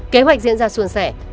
kế hoạch diễn ra xuân xẻ